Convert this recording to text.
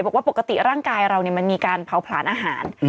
บอกว่าปกติร่างกายเรามันมีการเผาผลาญอาหาร